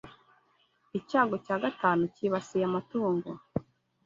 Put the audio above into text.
Icyago cya gatanu cyibasiye amatungo